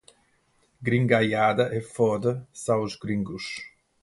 Gringaiada é foda, são os gringos